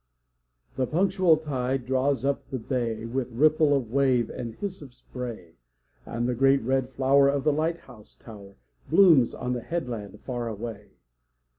The punctual tide draws up the bay, With ripple of wave and hiss of spray, And the great red flower of the light house tower Blooms on the headland far away.